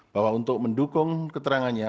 bahwa untuk mendukung keterangannya